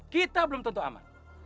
kita belum tentu aman